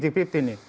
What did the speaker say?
bicara masih vtv ini